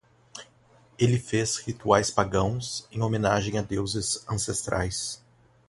Ele faz rituais pagãos em homenagem a deuses ancestrais